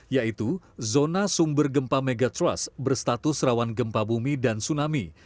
yaitu zona sumber gempa megatrust berstatus rawan gempa bumi dan tsunami